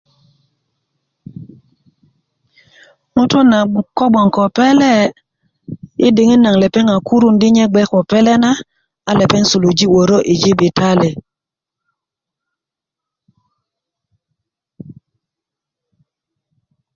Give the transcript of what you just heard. ŋutu' na ko bgoŋ ko pele i diŋit nagon lepeŋ kurun di lepeŋ gbe ko pele na a lepeŋ suluji' wörö i jibitali